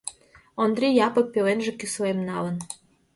Ондри Япык пеленже кӱслем налын.